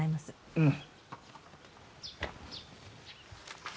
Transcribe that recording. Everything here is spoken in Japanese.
うん。